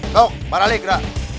tuh para legra